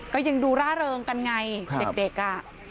ก็ยังดูร่าเริงกันไงเด็กอ่ะ